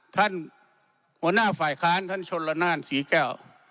ท่านหัวหน้าฝ่ายค้านท่านชนละนานศรีแก้ว